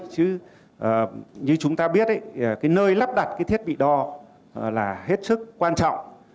chứ như chúng ta biết cái nơi lắp đặt cái thiết bị đo là hết sức quan trọng